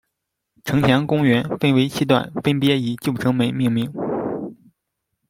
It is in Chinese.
城墙公园分为七段，分别以旧城门命名。